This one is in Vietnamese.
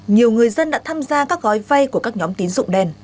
người dân đã tham gia các gói vai của các nhóm tiến dụng đen